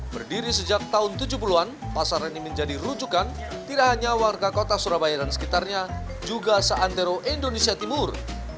berdiri sejak tahun tujuh puluh an pasar ini menjadi rujukan tidak hanya warga kota surabaya dan sekitarnya juga seantero indonesia timur